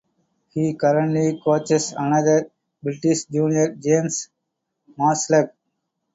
He currently coaches another British junior, James Marsalek.